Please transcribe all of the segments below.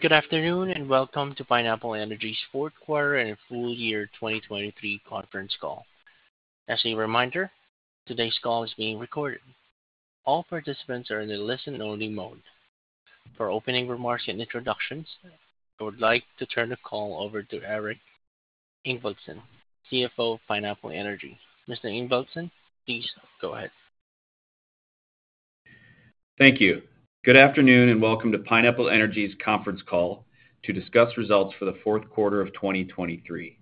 Good afternoon and welcome to Pineapple Energy's fourth quarter and full year 2023 conference call. As a reminder, today's call is being recorded. All participants are in a listen-only mode. For opening remarks and introductions, I would like to turn the call over to Eric Ingvaldson, CFO Pineapple Energy. Mr. Ingvaldson, please go ahead. Thank you. Good afternoon and welcome to Pineapple Energy's conference call to discuss results for the fourth quarter of 2023.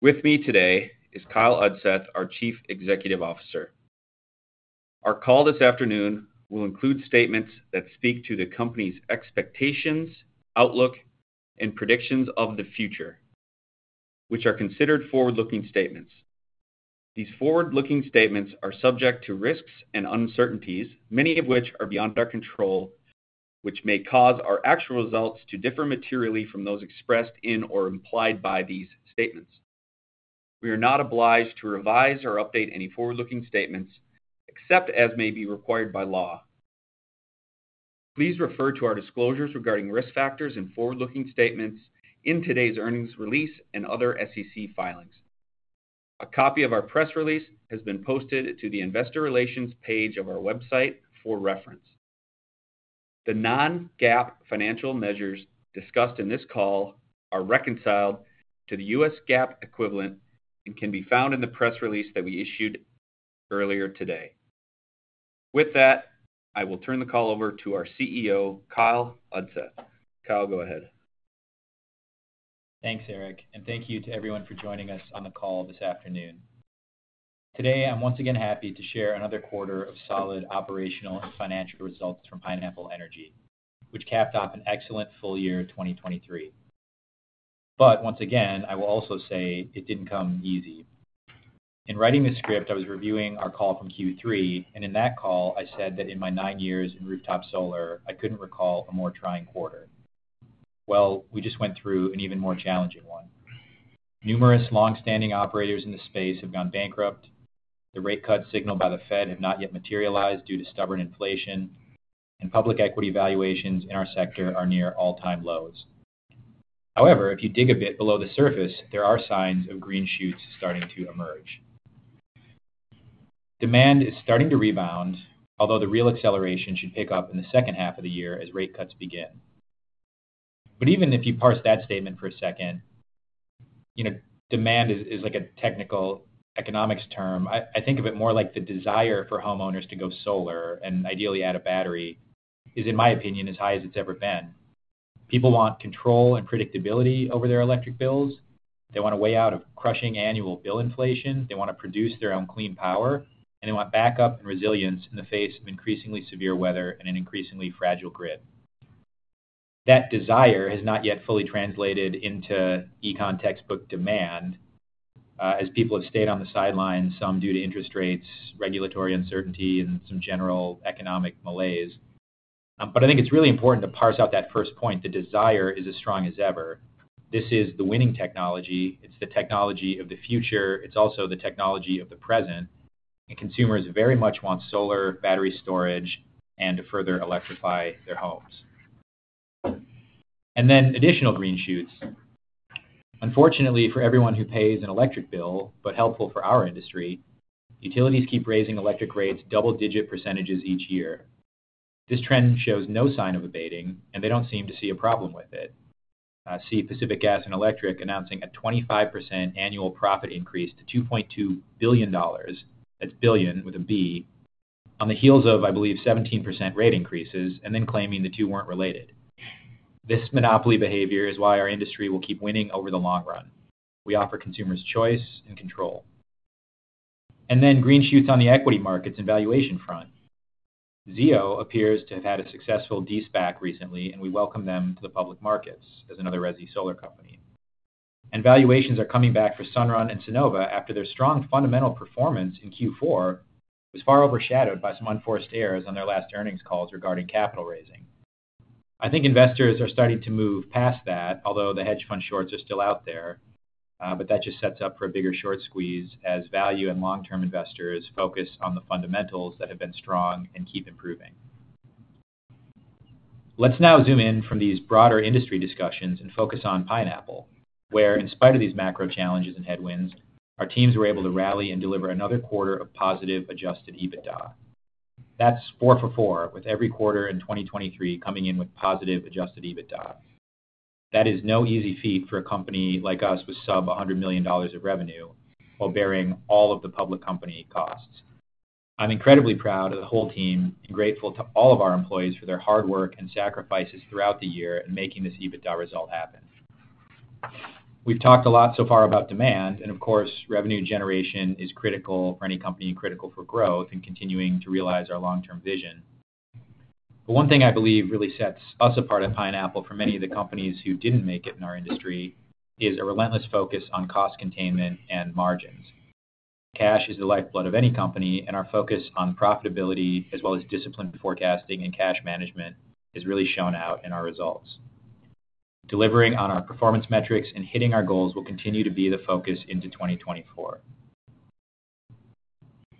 With me today is Kyle Udseth, our Chief Executive Officer. Our call this afternoon will include statements that speak to the company's expectations, outlook, and predictions of the future, which are considered forward-looking statements. These forward-looking statements are subject to risks and uncertainties, many of which are beyond our control, which may cause our actual results to differ materially from those expressed in or implied by these statements. We are not obliged to revise or update any forward-looking statements except as may be required by law. Please refer to our disclosures regarding risk factors and forward-looking statements in today's earnings release and other SEC filings. A copy of our press release has been posted to the Investor Relations page of our website for reference. The non-GAAP financial measures discussed in this call are reconciled to the U.S. GAAP equivalent and can be found in the press release that we issued earlier today. With that, I will turn the call over to our CEO, Kyle Udseth. Kyle, go ahead. Thanks, Eric, and thank you to everyone for joining us on the call this afternoon. Today I'm once again happy to share another quarter of solid operational and financial results from Pineapple Energy, which capped off an excellent full year 2023. But once again, I will also say it didn't come easy. In writing this script, I was reviewing our call from Q3, and in that call I said that in my nine years in rooftop solar, I couldn't recall a more trying quarter. Well, we just went through an even more challenging one. Numerous longstanding operators in the space have gone bankrupt, the rate cut signal by the Fed has not yet materialized due to stubborn inflation, and public equity valuations in our sector are near all-time lows. However, if you dig a bit below the surface, there are signs of green shoots starting to emerge. Demand is starting to rebound, although the real acceleration should pick up in the second half of the year as rate cuts begin. But even if you parse that statement for a second, demand is like a technical economics term. I think of it more like the desire for homeowners to go solar and ideally add a battery is, in my opinion, as high as it's ever been. People want control and predictability over their electric bills. They want a way out of crushing annual bill inflation. They want to produce their own clean power, and they want backup and resilience in the face of increasingly severe weather and an increasingly fragile grid. That desire has not yet fully translated into econ textbook demand, as people have stayed on the sidelines, some due to interest rates, regulatory uncertainty, and some general economic malaise. I think it's really important to parse out that first point: the desire is as strong as ever. This is the winning technology. It's the technology of the future. It's also the technology of the present. Consumers very much want solar, battery storage, and to further electrify their homes. Then additional green shoots. Unfortunately, for everyone who pays an electric bill, but helpful for our industry, utilities keep raising electric rates double-digit percentages each year. This trend shows no sign of abating, and they don't seem to see a problem with it. See Pacific Gas and Electric announcing a 25% annual profit increase to $2.2 billion - that's billion with a B on the heels of, I believe, 17% rate increases and then claiming the two weren't related. This monopoly behavior is why our industry will keep winning over the long run. We offer consumers choice and control. Then green shoots on the equity markets and valuation front. Zeo appears to have had a successful de-SPAC recently, and we welcome them to the public markets as another resi solar company. Valuations are coming back for Sunrun and Sunnova after their strong fundamental performance in Q4 was far overshadowed by some unforced errors on their last earnings calls regarding capital raising. I think investors are starting to move past that, although the hedge fund shorts are still out there, but that just sets up for a bigger short squeeze as value and long-term investors focus on the fundamentals that have been strong and keep improving. Let's now zoom in from these broader industry discussions and focus on Pineapple, where, in spite of these macro challenges and headwinds, our teams were able to rally and deliver another quarter of positive Adjusted EBITDA. That's four for four, with every quarter in 2023 coming in with positive Adjusted EBITDA. That is no easy feat for a company like us with sub-$100 million of revenue while bearing all of the public company costs. I'm incredibly proud of the whole team and grateful to all of our employees for their hard work and sacrifices throughout the year in making this EBITDA result happen. We've talked a lot so far about demand, and of course, revenue generation is critical for any company and critical for growth and continuing to realize our long-term vision. But one thing I believe really sets us apart at Pineapple from many of the companies who didn't make it in our industry is a relentless focus on cost containment and margins. Cash is the lifeblood of any company, and our focus on profitability as well as disciplined forecasting and cash management has really shown out in our results. Delivering on our performance metrics and hitting our goals will continue to be the focus into 2024.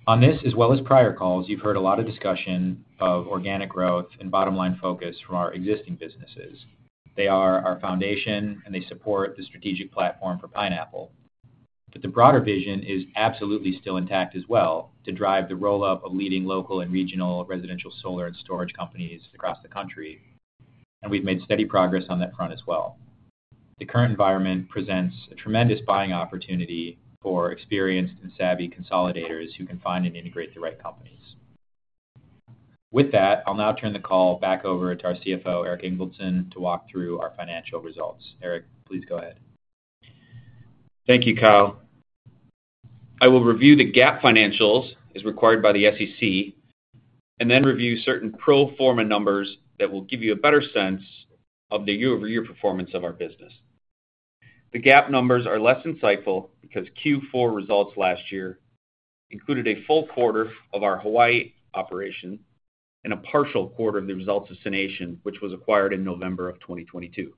On this, as well as prior calls, you've heard a lot of discussion of organic growth and bottom-line focus from our existing businesses. They are our foundation, and they support the strategic platform for Pineapple. But the broader vision is absolutely still intact as well to drive the roll-up of leading local and regional residential solar and storage companies across the country, and we've made steady progress on that front as well. The current environment presents a tremendous buying opportunity for experienced and savvy consolidators who can find and integrate the right companies. With that, I'll now turn the call back over to our CFO, Eric Ingvaldson, to walk through our financial results. Eric, please go ahead. Thank you, Kyle. I will review the GAAP financials as required by the SEC and then review certain pro forma numbers that will give you a better sense of the year-over-year performance of our business. The GAAP numbers are less insightful because Q4 results last year included a full quarter of our Hawaii operation and a partial quarter of the results of SUNation, which was acquired in November of 2022.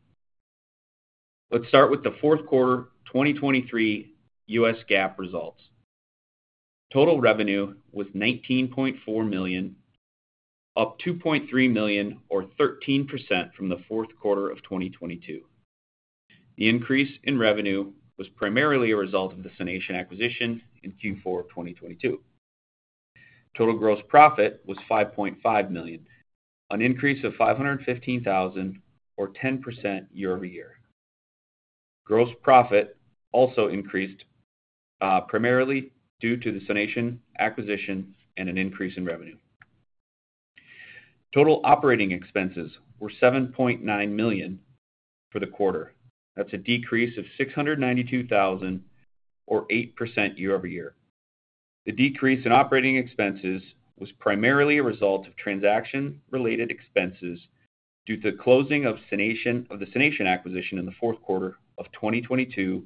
Let's start with the fourth quarter 2023 U.S. GAAP results. Total revenue was $19.4 million, up $2.3 million or 13% from the fourth quarter of 2022. The increase in revenue was primarily a result of the SUNation acquisition in Q4 of 2022. Total gross profit was $5.5 million, an increase of $515,000 or 10% year-over-year. Gross profit also increased primarily due to the SUNation acquisition and an increase in revenue. Total operating expenses were $7.9 million for the quarter. That's a decrease of $692,000 or 8% year-over-year. The decrease in operating expenses was primarily a result of transaction-related expenses due to the closing of the SUNation acquisition in the fourth quarter of 2022,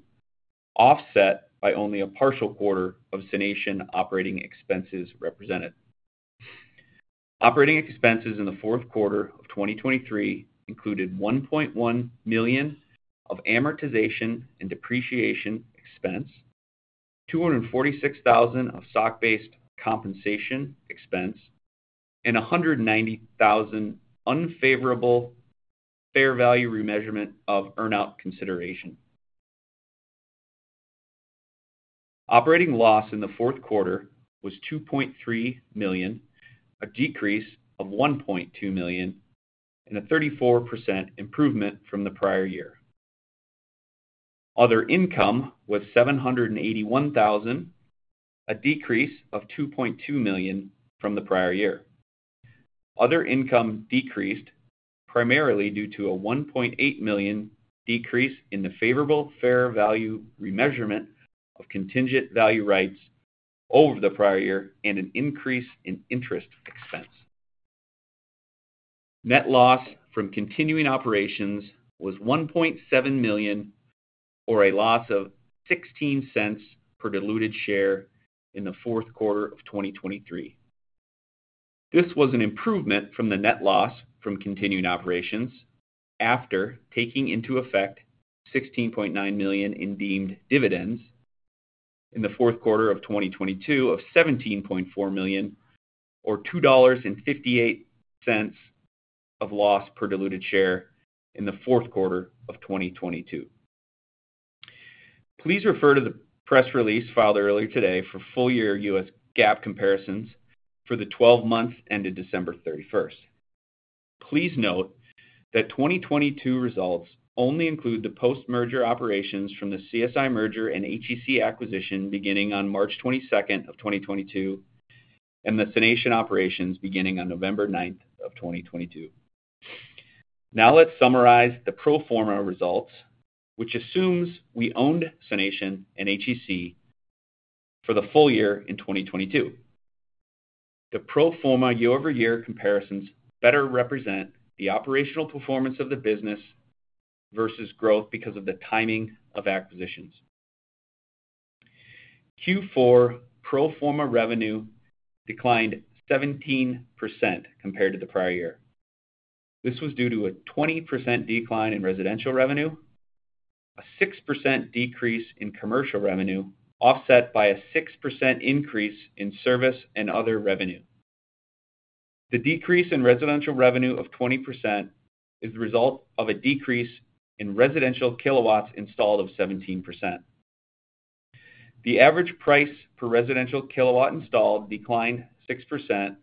offset by only a partial quarter of SUNation operating expenses represented. Operating expenses in the fourth quarter of 2023 included $1.1 million of amortization and depreciation expense, $246,000 of stock-based compensation expense, and $190,000 unfavorable fair value remeasurement of earnout consideration. Operating loss in the fourth quarter was $2.3 million, a decrease of $1.2 million, and a 34% improvement from the prior year. Other income was $781,000, a decrease of $2.2 million from the prior year. Other income decreased primarily due to a $1.8 million decrease in the favorable fair value remeasurement of Contingent Value Rights over the prior year and an increase in interest expense. Net loss from continuing operations was $1.7 million or a loss of $0.16 per diluted share in the fourth quarter of 2023. This was an improvement from the net loss from continuing operations after taking into effect $16.9 million in deemed dividends in the fourth quarter of 2022 of $17.4 million or $2.58 of loss per diluted share in the fourth quarter of 2022. Please refer to the press release filed earlier today for full-year U.S. GAAP comparisons for the 12 months ended December 31st. Please note that 2022 results only include the post-merger operations from the CSI merger and HEC acquisition beginning on March 22nd of 2022 and the SUNation operations beginning on November 9th of 2022. Now let's summarize the pro forma results, which assumes we owned SUNation and HEC for the full year in 2022. The pro forma year-over-year comparisons better represent the operational performance of the business versus growth because of the timing of acquisitions. Q4 pro forma revenue declined 17% compared to the prior year. This was due to a 20% decline in residential revenue, a 6% decrease in commercial revenue offset by a 6% increase in service and other revenue. The decrease in residential revenue of 20% is the result of a decrease in residential kW installed of 17%. The average price per residential kW installed declined 6%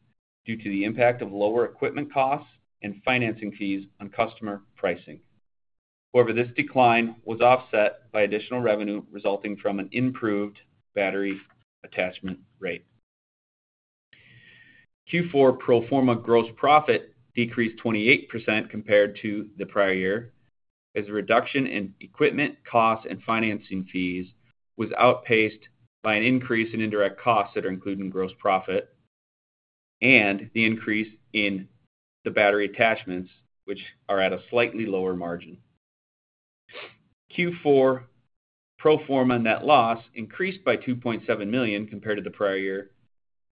due to the impact of lower equipment costs and financing fees on customer pricing. However, this decline was offset by additional revenue resulting from an improved battery attachment rate. Q4 pro forma gross profit decreased 28% compared to the prior year as a reduction in equipment costs and financing fees was outpaced by an increase in indirect costs that are included in gross profit and the increase in the battery attachments, which are at a slightly lower margin. Q4 pro forma net loss increased by $2.7 million compared to the prior year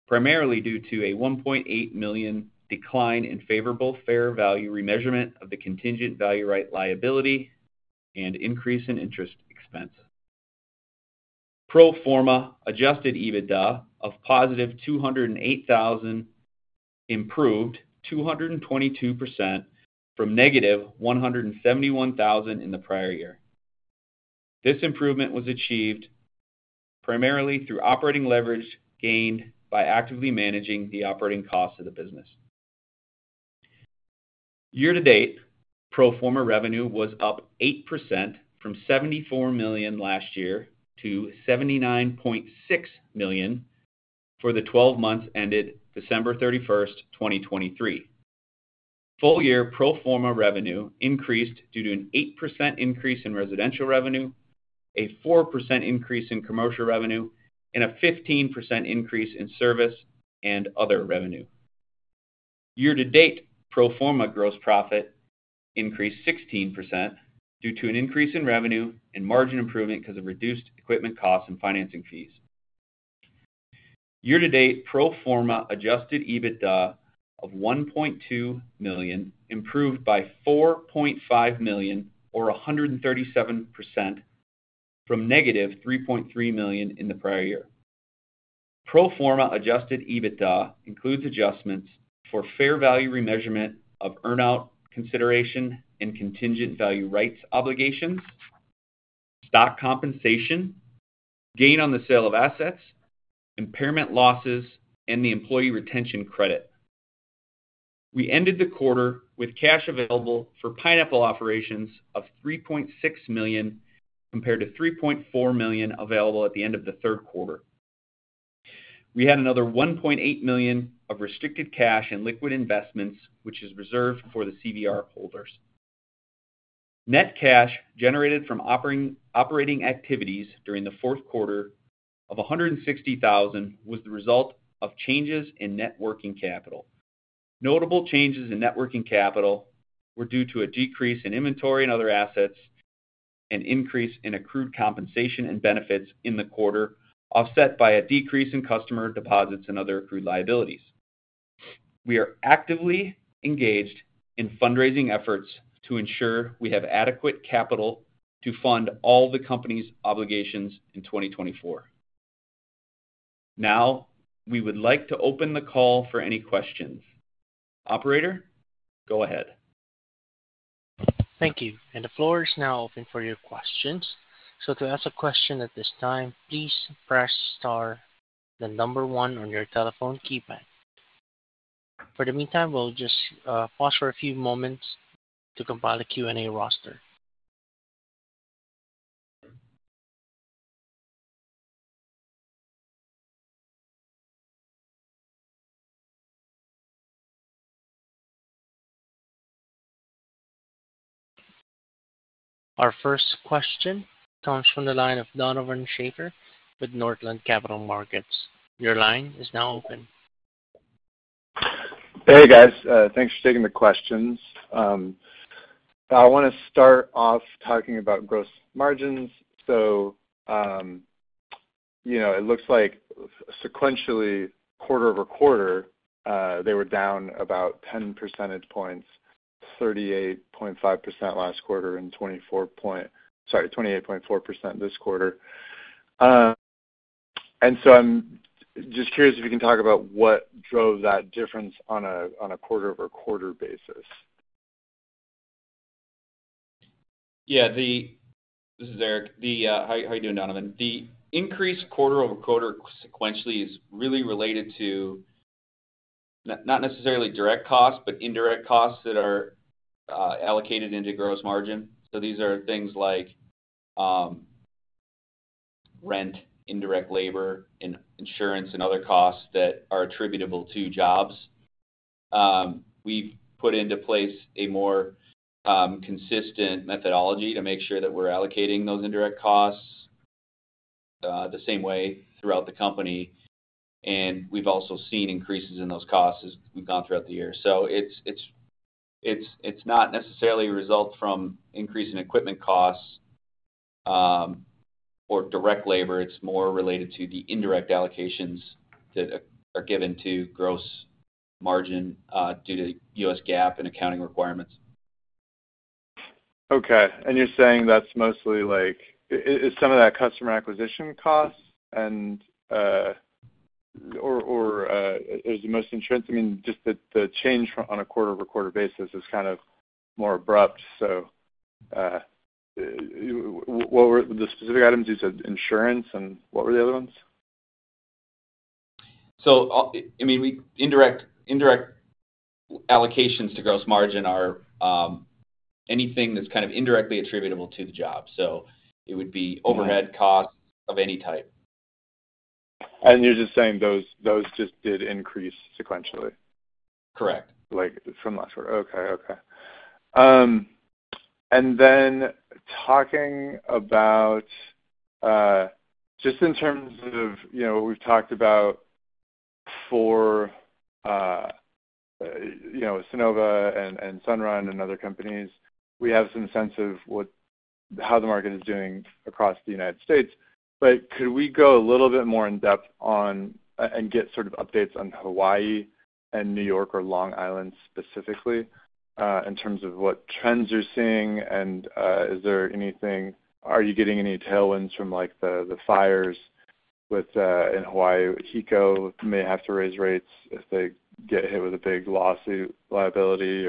primarily due to a $1.8 million decline in favorable fair value remeasurement of the contingent value right liability and increase in interest expense. Pro forma Adjusted EBITDA of positive $208,000 improved 222% from negative $171,000 in the prior year. This improvement was achieved primarily through operating leverage gained by actively managing the operating costs of the business. Year-to-date, pro forma revenue was up 8% from $74 million last year to $79.6 million for the 12 months ended December 31st, 2023. Full-year pro forma revenue increased due to an 8% increase in residential revenue, a 4% increase in commercial revenue, and a 15% increase in service and other revenue. Year-to-date, pro forma gross profit increased 16% due to an increase in revenue and margin improvement because of reduced equipment costs and financing fees. Year-to-date, pro forma Adjusted EBITDA of $1.2 million improved by $4.5 million or 137% from negative $3.3 million in the prior year. Pro forma Adjusted EBITDA includes adjustments for fair value remeasurement of earnout consideration and Contingent Value Rights obligations, stock compensation, gain on the sale of assets, impairment losses, and the Employee Retention Credit. We ended the quarter with cash available for Pineapple operations of $3.6 million compared to $3.4 million available at the end of the third quarter. We had another $1.8 million of restricted cash in liquid investments, which is reserved for the CVR holders. Net cash generated from operating activities during the fourth quarter of $160,000 was the result of changes in net working capital. Notable changes in net working capital were due to a decrease in inventory and other assets and increase in accrued compensation and benefits in the quarter offset by a decrease in customer deposits and other accrued liabilities. We are actively engaged in fundraising efforts to ensure we have adequate capital to fund all the company's obligations in 2024. Now we would like to open the call for any questions. Operator, go ahead. Thank you. The floor is now open for your questions. To ask a question at this time, please press star the number one on your telephone keypad. For the meantime, we'll just pause for a few moments to compile a Q&A roster. Our first question comes from the line of Donovan Schafer with Northland Capital Markets. Your line is now open. Hey, guys. Thanks for taking the questions. I want to start off talking about gross margins. So it looks like sequentially, quarter-over-quarter, they were down about 10 percentage points, 38.5% last quarter and 28.4% this quarter. And so I'm just curious if you can talk about what drove that difference on a quarter-over-quarter basis. Yeah. This is Eric. How are you doing, Donovan? The increase quarter over quarter sequentially is really related to not necessarily direct costs, but indirect costs that are allocated into gross margin. So these are things like rent, indirect labor, insurance, and other costs that are attributable to jobs. We've put into place a more consistent methodology to make sure that we're allocating those indirect costs the same way throughout the company. And we've also seen increases in those costs as we've gone throughout the year. So it's not necessarily a result from increase in equipment costs or direct labor. It's more related to the indirect allocations that are given to gross margin due to U.S. GAAP and accounting requirements. Okay. And you're saying that's mostly some of that customer acquisition costs? Or is it mostly insurance? I mean, just the change on a quarter-over-quarter basis is kind of more abrupt, so. The specific items you said, insurance, and what were the other ones? So I mean, indirect allocations to gross margin are anything that's kind of indirectly attributable to the job. So it would be overhead costs of any type. You're just saying those just did increase sequentially? Correct. From last quarter. Okay. Okay. And then talking about just in terms of what we've talked about for Sunnova and Sunrun and other companies, we have some sense of how the market is doing across the United States. But could we go a little bit more in-depth and get sort of updates on Hawaii and New York or Long Island specifically in terms of what trends you're seeing? And is there anything? Are you getting any tailwinds from the fires in Hawaii? HECO may have to raise rates if they get hit with a big lawsuit liability.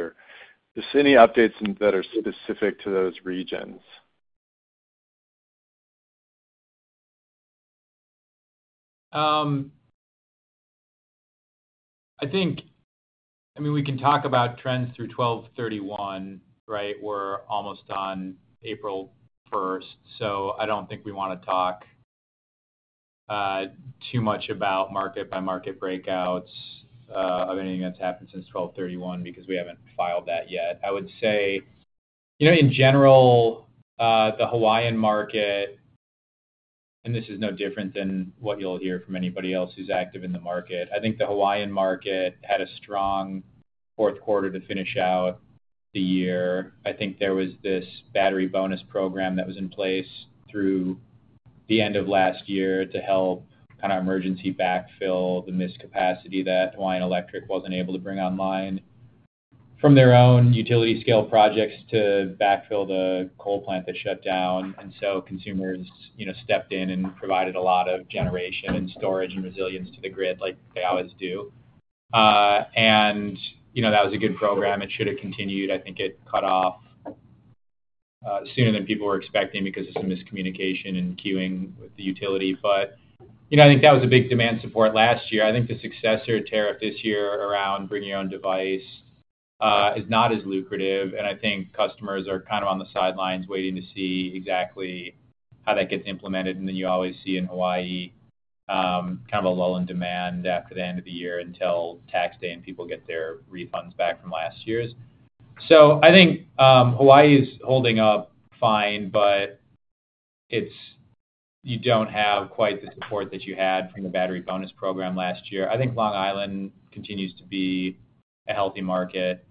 Just any updates that are specific to those regions. I mean, we can talk about trends through 12/31, right? We're almost on April 1st. So I don't think we want to talk too much about market-by-market breakouts of anything that's happened since 12/31 because we haven't filed that yet. I would say, in general, the Hawaiian market, and this is no different than what you'll hear from anybody else who's active in the market. I think the Hawaiian market had a strong fourth quarter to finish out the year. I think there was this Battery Bonus program that was in place through the end of last year to help kind of emergency backfill the missed capacity that Hawaiian Electric wasn't able to bring online, from their own utility-scale projects to backfill the coal plant that shut down. And so consumers stepped in and provided a lot of generation and storage and resilience to the grid like they always do. And that was a good program. It should have continued. I think it cut off sooner than people were expecting because of some miscommunication and queuing with the utility. But I think that was a big demand support last year. I think the successor tariff this year around bring your own device is not as lucrative. And I think customers are kind of on the sidelines waiting to see exactly how that gets implemented. And then you always see in Hawaii kind of a lull in demand after the end of the year until tax day and people get their refunds back from last year's. So I think Hawaii is holding up fine, but you don't have quite the support that you had from the battery bonus program last year. I think Long Island continues to be a healthy market.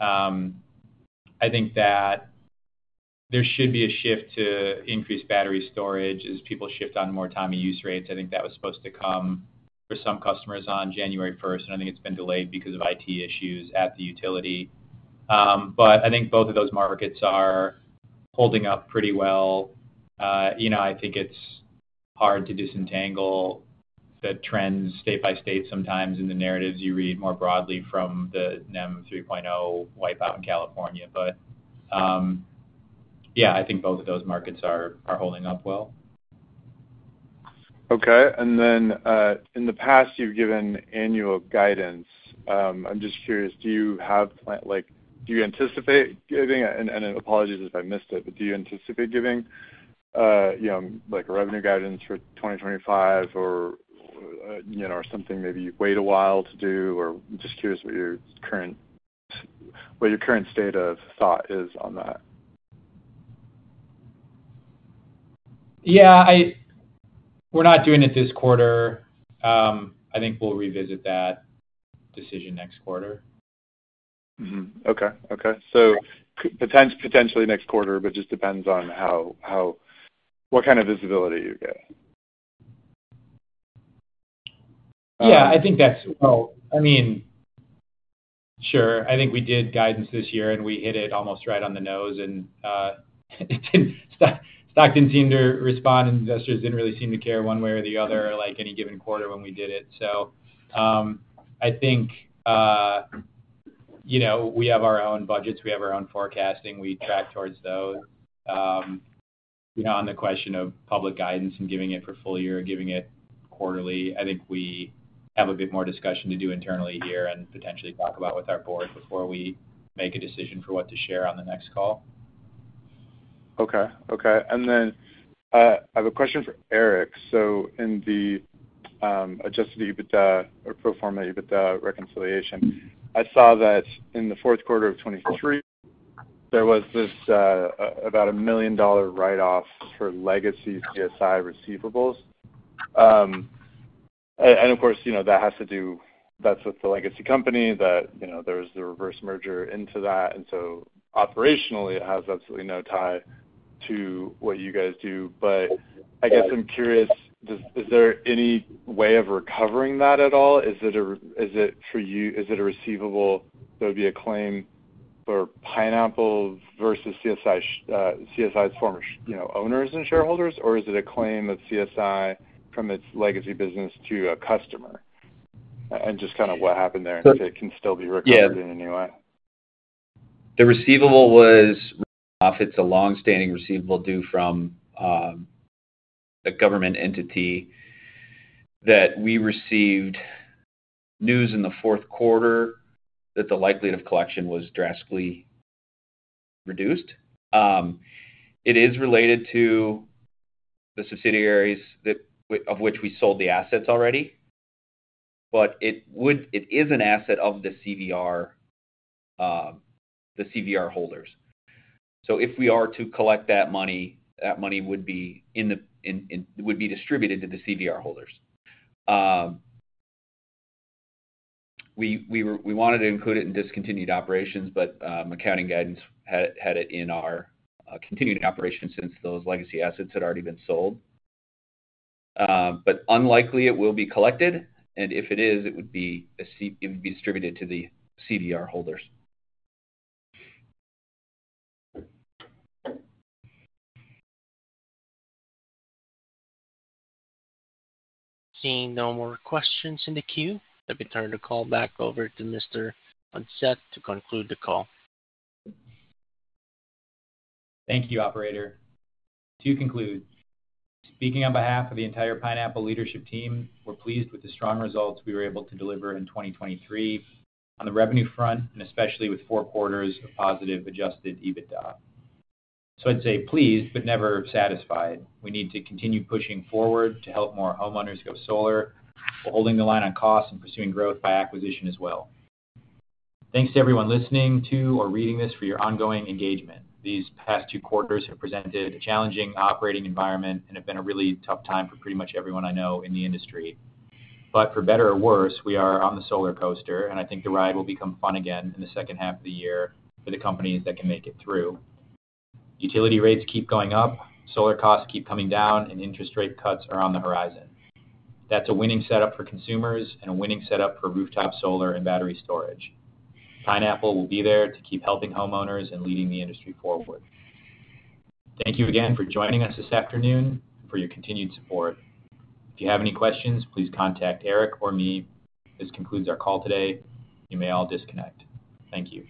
I think that there should be a shift to increased battery storage as people shift on more time of use rates. I think that was supposed to come for some customers on January 1st. I think it's been delayed because of IT issues at the utility. I think both of those markets are holding up pretty well. I think it's hard to disentangle the trends state by state sometimes in the narratives you read more broadly from the NEM 3.0 wipeout in California. Yeah, I think both of those markets are holding up well. Okay. And then in the past, you've given annual guidance. I'm just curious, do you have plans? Do you anticipate giving, and apologies if I missed it, but do you anticipate giving revenue guidance for 2025 or something, maybe you wait a while to do? Or I'm just curious what your current state of thought is on that. Yeah. We're not doing it this quarter. I think we'll revisit that decision next quarter. Okay. Okay. So potentially next quarter, but just depends on what kind of visibility you get. Yeah. I think that's well, I mean, sure. I think we did guidance this year, and we hit it almost right on the nose. And the stock seemed to respond, and investors didn't really seem to care one way or the other any given quarter when we did it. So I think we have our own budgets. We have our own forecasting. We track towards those. On the question of public guidance and giving it for full year or giving it quarterly, I think we have a bit more discussion to do internally here and potentially talk about with our board before we make a decision for what to share on the next call. Okay. Okay. Then I have a question for Eric. So in the adjusted EBITDA or pro forma EBITDA reconciliation, I saw that in the fourth quarter of 2023, there was this about a $1 million write-off for legacy CSI receivables. And of course, that has to do that's with the legacy company. There's the reverse merger into that. And so operationally, it has absolutely no tie to what you guys do. But I guess I'm curious, is there any way of recovering that at all? Is it for you is it a receivable? There would be a claim for Pineapple versus CSI's former owners and shareholders? Or is it a claim of CSI from its legacy business to a customer? And just kind of what happened there if it can still be recovered in any way. Yeah. The receivable was write-off. It's a longstanding receivable due from a government entity that we received news in the fourth quarter that the likelihood of collection was drastically reduced. It is related to the subsidiaries of which we sold the assets already. But it is an asset of the CVR holders. So if we are to collect that money, that money would be distributed to the CVR holders. We wanted to include it in discontinued operations, but accounting guidance had it in our continued operations since those legacy assets had already been sold. But unlikely, it will be collected. And if it is, it would be distributed to the CVR holders. Seeing no more questions in the queue, I'd be turning the call back over to Mr. Udseth to conclude the call. Thank you, operator. To conclude, speaking on behalf of the entire Pineapple leadership team, we're pleased with the strong results we were able to deliver in 2023 on the revenue front and especially with four quarters of positive Adjusted EBITDA. So I'd say pleased, but never satisfied. We need to continue pushing forward to help more homeowners go solar. We're holding the line on costs and pursuing growth by acquisition as well. Thanks to everyone listening to or reading this for your ongoing engagement. These past two quarters have presented a challenging operating environment and have been a really tough time for pretty much everyone I know in the industry. But for better or worse, we are on the Solar Coaster, and I think the ride will become fun again in the second half of the year for the companies that can make it through. Utility rates keep going up, solar costs keep coming down, and interest rate cuts are on the horizon. That's a winning setup for consumers and a winning setup for rooftop solar and battery storage. Pineapple will be there to keep helping homeowners and leading the industry forward. Thank you again for joining us this afternoon and for your continued support. If you have any questions, please contact Eric or me. This concludes our call today. You may all disconnect. Thank you.